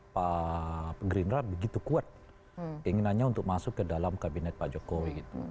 pak gerindra begitu kuat inginannya untuk masuk ke dalam kabinet pak jokowi